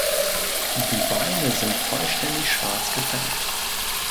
Die Beine sind vollständig schwarz gefärbt.